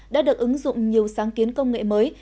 đã được ứng dụng nhiều sáng kiến công nghệ mới